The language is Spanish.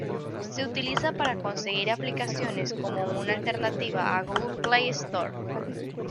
Se utiliza para conseguir aplicaciones como una alternativa a Google Play Store.